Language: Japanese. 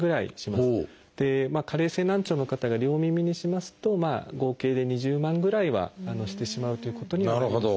加齢性難聴の方が両耳にしますと合計で２０万ぐらいはしてしまうということにはなります。